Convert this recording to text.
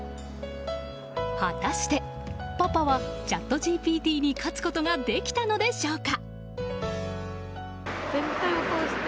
果たしてパパはチャットＧＰＴに勝つことができたのでしょうか。